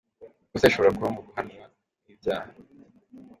Ikosa rishobora kuba mu guhamwa n’ibyaha.